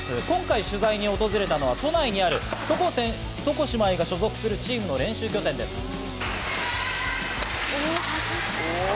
今回取材に訪れたのは都内にある床姉妹が所属するチームの練習拠点です。